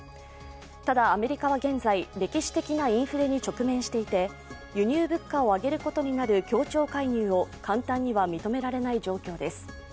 ただ、アメリカは現在、歴史的なインフレに直面していて輸入物価を上げることになる協調介入を簡単には認められない状況です。